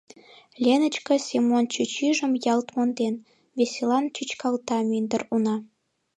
— Леночка Семон чӱчӱжым ялт монден, — веселан чӱчкалта мӱндыр уна.